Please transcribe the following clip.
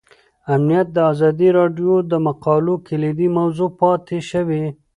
امنیت د ازادي راډیو د مقالو کلیدي موضوع پاتې شوی.